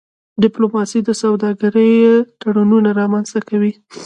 ډيپلوماسي د سوداګری تړونونه رامنځته کوي.